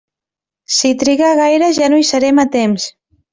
Si triga gaire ja no hi serem a temps.